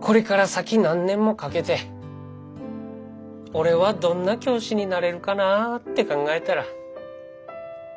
これから先何年もかけて俺はどんな教師になれるかなって考えたらワクワクしてきた。